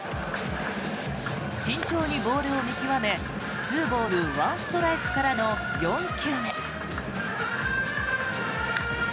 慎重にボールを見極め２ボール１ストライクからの４球目。